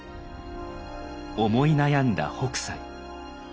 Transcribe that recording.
思い悩んだ北斎。